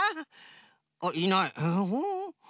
あっいない。